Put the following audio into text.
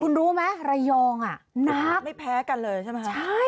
คุณรู้ไหมระยองนานไม่แพ้กันเลยใช่ไหมคะ